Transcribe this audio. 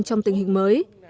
trong tình hình mới